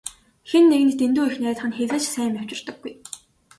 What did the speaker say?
Хэн нэгэнд дэндүү их найдах нь хэзээ ч сайн юм авчирдаггүй.